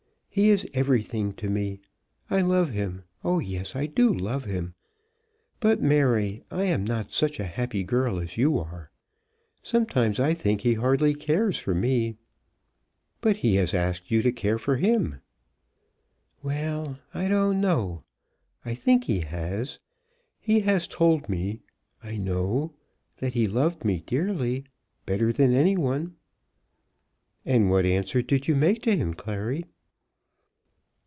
He is everything to me. I love him . Oh, yes, I do love him! But, Mary, I am not such a happy girl as you are. Sometimes I think he hardly cares for me." "But he has asked you to care for him?" "Well; I don't know. I think he has. He has told me, I know, that he loved me dearly, better than any one." "And what answer did you make to him, Clary?"